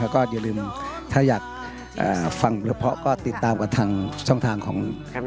ก็อย่าลืมถ้าอยากฟังหรือพอก็ติดตามกันทางช่องทางของ